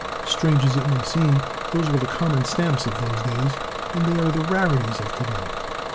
Strange as it may seem, those were the common stamps of those days, and they are the rarities of to day.